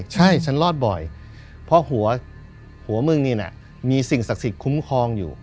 ใช่ฉันรอดบ่อยเพราะหัวมึงนี่น่ะมีสิ่งศักดิ์สิทธิ์คุ้มครองอยู่